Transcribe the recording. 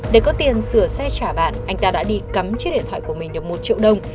để có tiền sửa xe trả bạn anh ta đã đi cắm chiếc điện thoại của mình được một triệu đồng